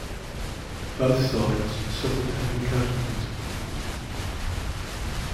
Both sides suffered heavy casualties.